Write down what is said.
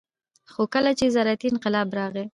خو کله چې زراعتي انقلاب راغى